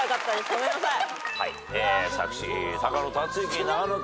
ごめんなさい。